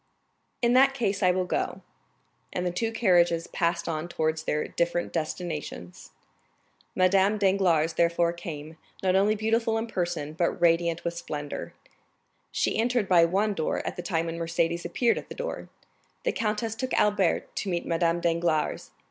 "In that case I will go." And the two carriages passed on towards their different destinations. Madame Danglars therefore came, not only beautiful in person, but radiant with splendor; she entered by one door at the time when Mercédès appeared at the door. The countess took Albert to meet Madame Danglars.